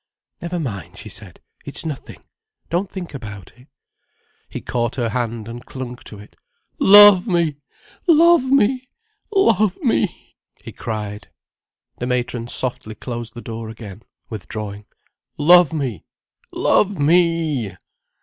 "Never mind," she said. "It's nothing. Don't think about it." He caught her hand and clung to it. "Love me! Love me! Love me!" he cried. The matron softly closed the door again, withdrawing. "Love me! Love me!"